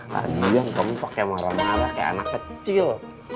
kamu yang kemuk kayak marah marah kayak anak kecil